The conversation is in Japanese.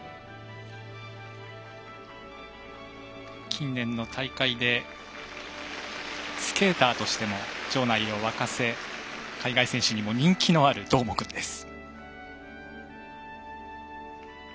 近年の大会でスケーターとしても場内を沸かせ海外選手にも人気のあるどーもくんです。